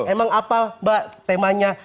emang apa mbak temanya